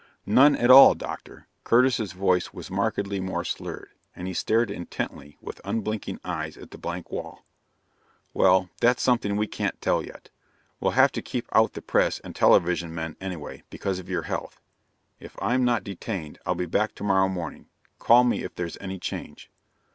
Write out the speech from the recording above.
"None at all, Doctor." Curtis's voice was markedly more slurred, and he stared intently with unblinking eyes at the blank wall. "Well, that's something we can't tell yet. Well have to keep out the press and television men, anyway, because of your health. If I'm not detained, I'll be back tomorrow morning. Call me if there's any change."